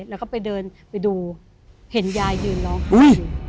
แล้วก็ไปเดินไปดูเห็นยายยืนร้องไห้อยู่